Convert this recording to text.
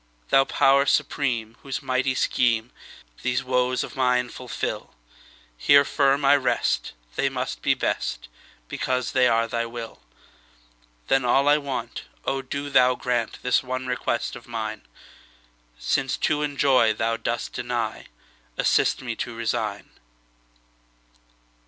Thou Power Supreme, whose mighty schemeThese woes of mine fulfil, Here firm I rest; they must be best, Because they are Thy will! Then all I want—O do Thou grantThis one request of mine!—Since to enjoy Thou dost deny, Assist me to resign.